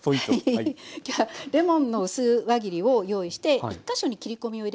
今日はレモンの薄輪切りを用意して１か所に切り込みを入れました。